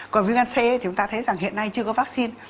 còn viêm gan c thì chúng ta thấy rằng hiện nay chưa có vaccine